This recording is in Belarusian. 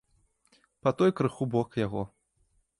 Па той крыху бок яго.